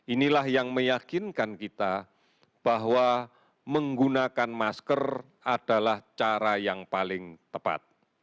inilah yang meyakinkan kita bahwa menggunakan masker adalah cara yang paling tepat